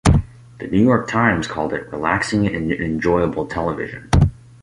The "New York Times" called it "relaxing and enjoyable television".